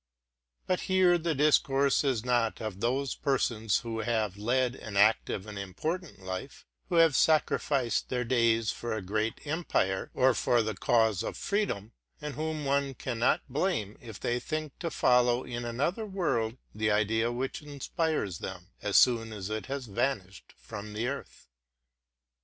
But the persons here alluded to are not such as have 164 TRUTH AND FICTION led an active and important life, who have sacrificed their days for a great empire, or for the cause of freedom, and whom one cannot blame if they think to follow in another world the idea which inspires them, as soon as it has van ished from the earth.